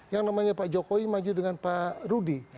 yang namanya pak jokowi maju dengan pak rudi